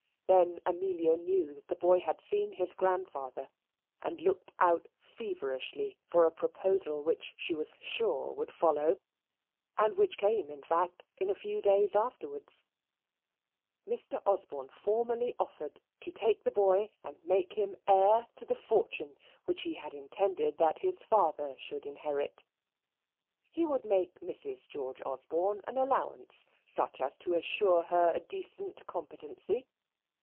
Then Amelia knew that the boy had seen his grandfather; and looked out feverishly for a proposal which she was sure would follow, and which came, in fact, in a few days afterwards. Mr. Osborne formally offered to take the boy and make him heir to the fortune which he had intended that his father should inherit. He would make Mrs. George Osborne an allowance, such as to assure her a decent competency.